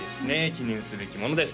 記念すべきものです